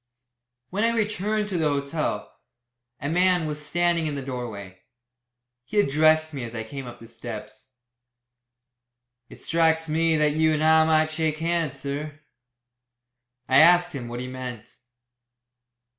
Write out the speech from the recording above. When I returned to the hotel, a man was standing in the doorway. He addressed me as I came up the steps. "It strikes me that you and I might shake hands, sir." I asked him what he meant.